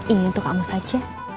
ini untuk kamu saja